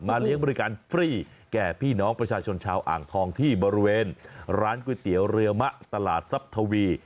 เลี้ยงบริการฟรีแก่พี่น้องประชาชนชาวอ่างทองที่บริเวณร้านก๋วยเตี๋ยวเรือมะตลาดซับทวี